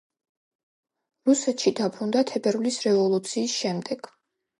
რუსეთში დაბრუნდა თებერვლის რევოლუციის შემდეგ.